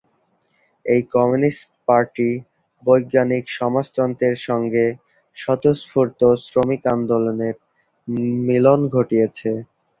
এই communist party বৈজ্ঞানিক সমাজতন্ত্রের সংগে স্বতঃস্ফূর্ত শ্রমিক আন্দোলনের মিলন ঘটিয়েছে।